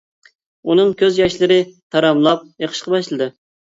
ئۇنىڭ كۆز ياشلىرى تاراملاپ ئېقىشقا باشلىدى.